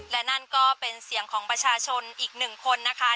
และนั่นก็เป็นเสียงของประชาชนอีกหนึ่งคนนะคะ